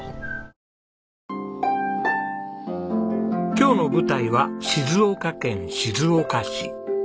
今日の舞台は静岡県静岡市。